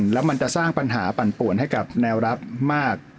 แล้วมันจะสร้างปัญหาปั่นป่วนให้กับแนวรับมาก